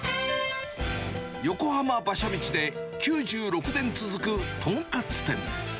横浜・馬車道で９６年続く豚カツ店。